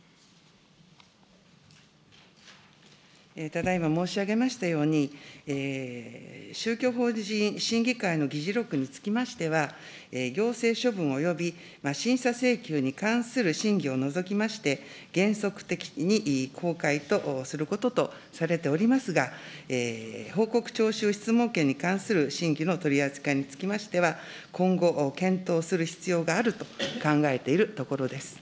ただいま申し上げましたように、宗教法人審議会の議事録につきましては、行政処分および審査請求に関する審議を除きまして、原則的に公開とすることとされておりますが、報告徴収質問権に関する審議の取り扱いにつきましては、今後、検討する必要があると考えているところです。